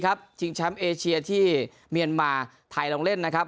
ชิงแชมป์เอเชียที่เมียนมาไทยลงเล่นนะครับ